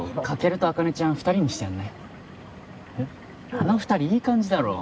あの二人いい感じだろ？